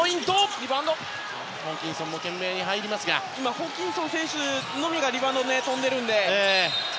ホーキンソン選手のみがリバウンド、跳んでいるので。